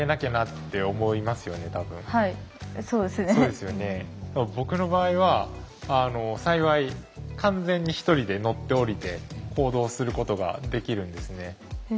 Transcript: でも僕の場合は幸い完全に１人で乗って降りて行動することができるんですね。